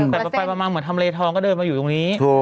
แต่ไปมาเหมือนทำเลทองก็เดินมาอยู่ตรงนี้